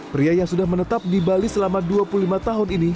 pria yang sudah menetap di bali selama dua puluh lima tahun ini